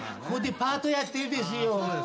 ここでパートやってんですよ。